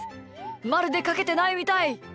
まるでかけてないみたい。